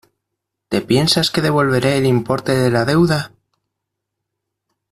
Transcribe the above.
¿Te piensas que devolveré el importe de la deuda?